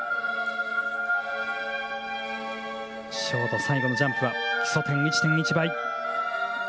ショート最後のジャンプは基礎点１．１倍。